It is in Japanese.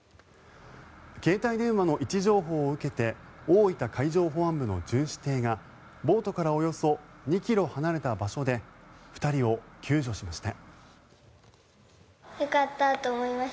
携帯電話の位置情報を受けて大分海上保安部の巡視艇がボートからおよそ２ｋｍ離れた場所で２人を救助しました。